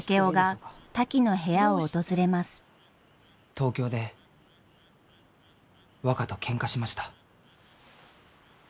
東京で若とけんかしました。